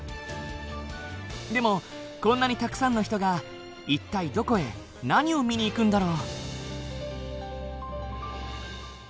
でもこんなにたくさんの人が一体どこへ何を見に行くんだろう？